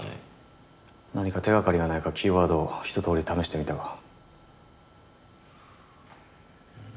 何か手掛かりがないかキーワードをひと通り試してみたが。